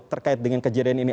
terkait dengan kejadian ini